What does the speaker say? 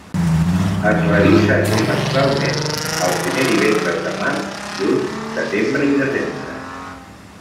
Es revisa trimestralment, el primer divendres de març, juny, setembre i desembre.